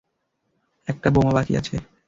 একটা বোমা বাকি আছে।